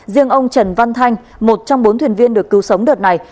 riêng ông trần văn thanh một trong bốn thuyền viên được cứu sống đợt này